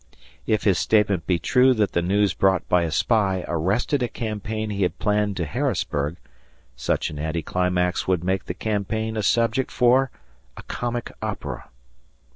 If his statement be true that the news brought by a spy arrested a campaign he had planned to Harrisburg, such an anticlimax would make the campaign a subject for a comic opera.